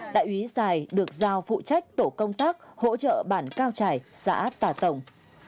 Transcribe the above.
đại úy giải được giao phụ trách tổ công tác hỗ trợ bản cao trải xã tà tổng